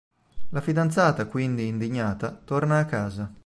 La fidanzata, quindi, indignata, torna a casa.